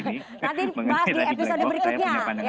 nanti bahas di episode berikutnya